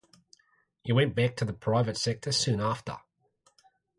He went back to the private sector soon after.